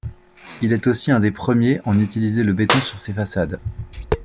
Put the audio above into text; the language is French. Il est aussi un des premiers en utiliser le béton sur ses façades.